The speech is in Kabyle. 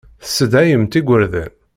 Tessedhayemt igerdan.